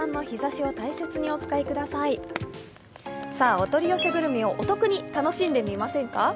お取り寄せグルメをお得に楽しんでみませんか？